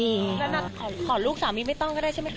นั่นน่ะขอลูกสามีไม่ต้องก็ได้ใช่ไหมครับ